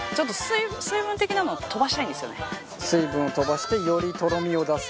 水分を飛ばしてよりとろみを出す。